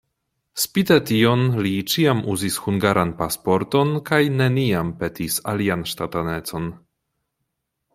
Spite tion li ĉiam uzis hungaran pasporton kaj neniam petis alian ŝtatanecon.